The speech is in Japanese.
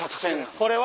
これは。